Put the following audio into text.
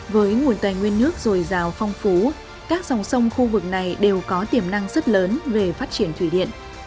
với nguồn tài nguyên nước dồi dào phong phú các dòng sông khu vực này đều có tiềm năng rất lớn về phát triển thủy điện